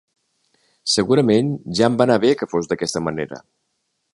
Segurament ja em va anar bé que fos d'aquesta manera.